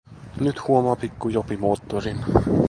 Nyt huomaa pikku Jopi moottorin.